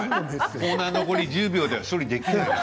コーナー残り１０秒では処理できないです。